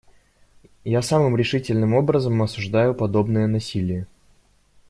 Я самым решительным образом осуждаю подобное насилие.